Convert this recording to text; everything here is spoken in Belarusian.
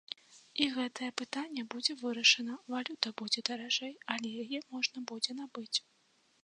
І гэтае пытанне будзе вырашана, валюта будзе даражэй, але яе можна будзе набыць.